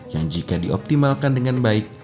yang jika dioptimalkan dengan baik